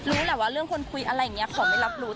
รู้แหละว่าเรื่องคนคุยอะไรอย่างนี้ขอไม่รับรู้